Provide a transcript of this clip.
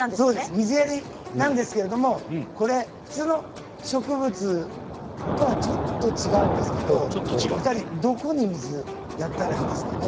水やりなんですけれども普通の植物とはちょっと違うんですけれどもどこに水をやったらいいですかね。